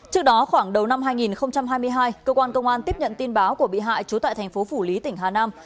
trước đó khoảng đầu năm hai nghìn hai mươi hai cơ quan công an tiếp nhận tin báo của bị hại trú tại thành phố phủ lý tỉnh hà nam